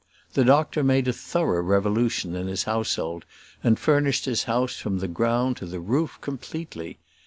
The doctor made a thorough revolution in his household, and furnished his house from the ground to the roof completely.